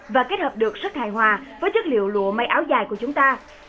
và kết hợp được sức hài hòa với chất liệu lụa mây áo dài của chúng ta